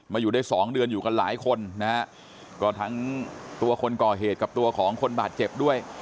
อยู่ได้สองเดือนอยู่กันหลายคนนะฮะก็ทั้งตัวคนก่อเหตุกับตัวของคนบาดเจ็บด้วย